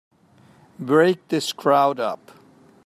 Break this crowd up!